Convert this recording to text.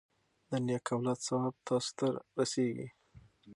د نیک اولاد ثواب تاسو ته رسیږي.